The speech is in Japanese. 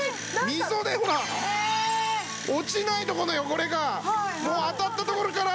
溝でほら落ちないとこの汚れがもう当たった所から。